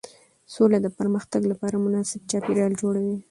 سوله د پرمختګ لپاره مناسب چاپېریال جوړوي